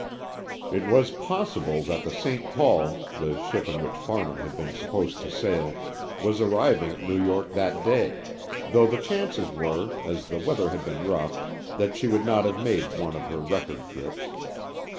It was possible that the St. Paul, the ship in which Farnham had been supposed to sail, was arriving at New York that day, though the chances were, as the weather had been rough, that she would not have made one of her record trips.